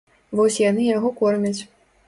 Вось яны яго кормяць.